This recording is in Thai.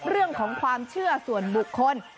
เรื่องของความเชื่อส่วนบุคคล